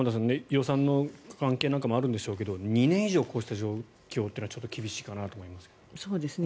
予算の関係なんかもあるんでしょうけど２年以上、こうした状況はちょっと厳しいかなと思いますが。